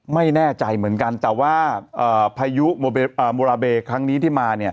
ไม่แน่ใจเหมือนกันแต่ว่าพายุโมราเบครั้งนี้ที่มา